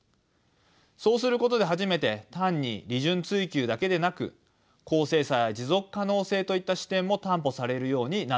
そうすることで初めて単に利潤追求だけでなく公正さや持続可能性といった視点も担保されるようになるからです。